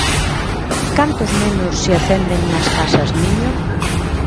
¿Cantos nenos se atenden nas casas niño?